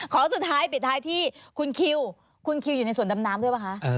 สุดท้ายปิดท้ายที่คุณคิวคุณคิวอยู่ในส่วนดำน้ำด้วยป่ะคะ